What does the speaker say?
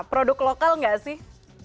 produk lokal nggak sih